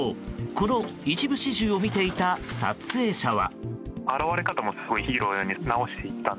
この一部始終を見ていた撮影者は。